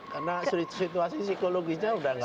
karena situasi psikologisnya sudah tidak mungkin